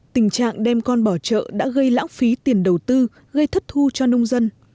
tình trạng đem con bỏ chợ đã gây lãng phí tiền đầu tư gây thất thu cho nông dân